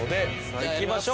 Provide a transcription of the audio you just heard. さあいきましょう。